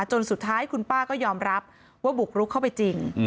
จนสุดท้ายคุณป้าก็ยอมรับว่าบุกรุกเข้าไปจริง